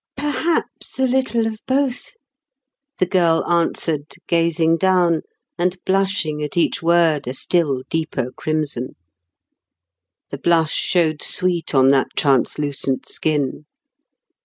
"Perhaps a little of both," the girl answered, gazing down, and blushing at each word a still deeper crimson. The blush showed sweet on that translucent skin.